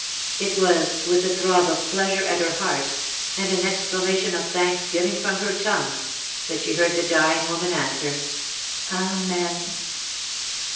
It was with a throb of pleasure at her heart, and an exclamation of thanksgiving from her tongue, that she heard the dying woman answer " Amen